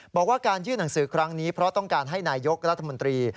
บอกว่าการยื่นหนังสือครั้งนี้เพราะต้องการให้นายกรัฐมนตรี